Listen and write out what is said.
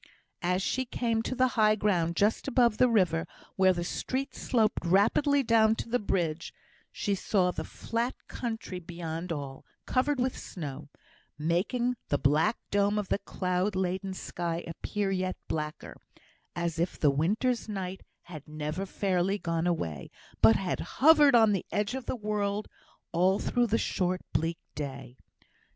As she came to the high ground just above the river, where the street sloped rapidly down to the bridge, she saw the flat country beyond all covered with snow, making the black dome of the cloud laden sky appear yet blacker; as if the winter's night had never fairly gone away, but had hovered on the edge of the world all through the short bleak day.